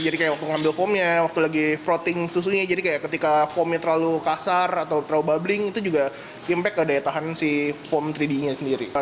jadi kayak waktu ngambil foam nya waktu lagi frotting susunya jadi kayak ketika foam nya terlalu kasar atau terlalu bubbling itu juga impact ke daya tahan si foam tiga d nya sendiri